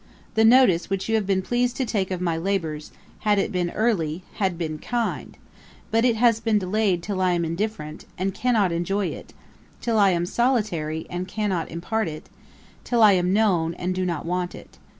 The notice which you have been pleased to take of my labours, had it been early, had been kind; but it has been delayed till I am indifferent, and cannot enjoy it; till I am solitary, and cannot impart it; till I am known, and do not want it.